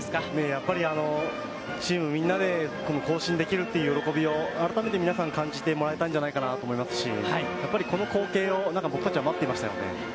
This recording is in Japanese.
やっぱりチームみんなでこの行進できるという喜びを改めて感じてもらえたんじゃないかと思いますし、この光景を待っていました。